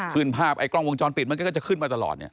ขึ้นภาพกล้องวงจรปิดมันก็จะขึ้นมาตลอด